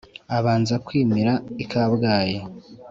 Abanza kwimira i Kabgayi